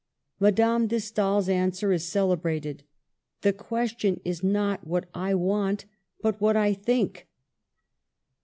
Madame de Stael's answer is celebrated :" The question is not what I want, but what I think."